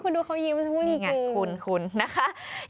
คุณดูเขายิ้มคุณคุณคุณคุณนะคะ